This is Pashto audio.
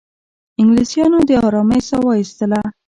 انګلیسیانو د آرامۍ ساه وایستله.